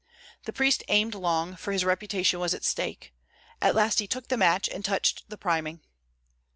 The priest aimed long, for his reputation was at stake. At last he took the match and touched the priming.